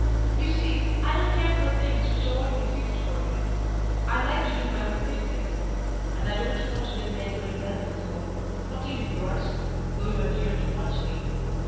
You see, I don't care for things which are already fixed for me. I like to do my own fixing. And I don't want to live in anybody else's home, not even yours, though you are dear to want me.